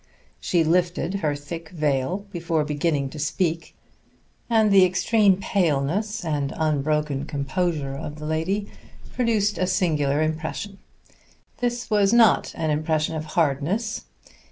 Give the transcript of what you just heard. She lifted her thick veil before beginning to speak, and the extreme paleness and unbroken composure of the lady produced a singular impression. This was not an impression of hardness.